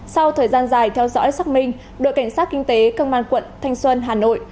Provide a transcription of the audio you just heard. sau thời gian dài theo dõi xác minh đội cảnh sát kinh tế công an quận thanh xuân hà nội